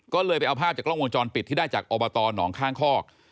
ก็เลยไปเอาภาพจากกล้องวงจรปิดที่ได้จากอบตหนองข้างคอก